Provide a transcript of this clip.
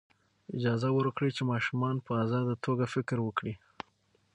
اجازه ورکړئ چې ماشومان په ازاده توګه فکر وکړي.